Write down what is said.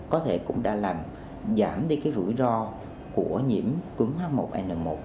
có thể cũng đã làm giảm đi cái rủi ro của nhiễm cúm h một n một